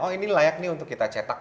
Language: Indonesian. oh ini layak nih untuk kita cetak